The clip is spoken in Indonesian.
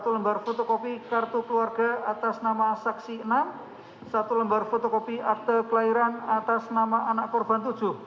satu lembar fotokopi akta kelahiran atas nama anak korban enam